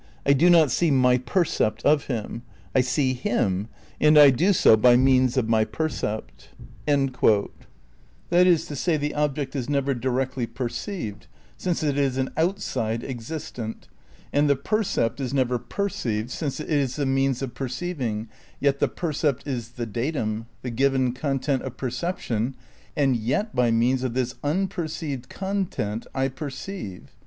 I do not see my percept of him; I see him, and I do so by means of my percept." * That is to say the object is never directly perceived, since it is an outside existent, and the percept is never perceived since it is the means of perceiving, yet the percept is the datum, the given content of perception, and yet by means of this unperceived content I per ceive